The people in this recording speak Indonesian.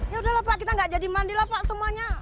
ya udahlah pak kita gak jadi mandi lah pak semuanya